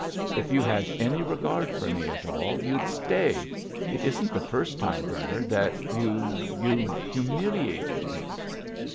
"If you had any regard for me at all, you'd stay. It isn't the first time, Bernard, that you—you've humiliated me!"